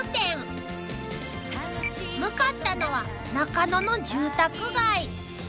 ［向かったのは中野の住宅街］